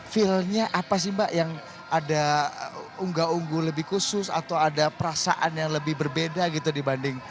feelnya apa sih mbak yang ada unggah unggul lebih khusus atau ada perasaan yang lebih berbeda gitu dibanding